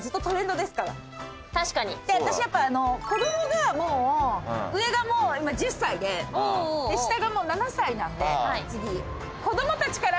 で私やっぱ子供が上がもう今１０歳で下がもう７歳なんで次。